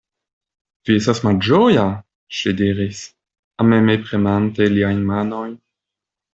Vi estas malĝoja, ŝi diris, ameme premante liajn manojn.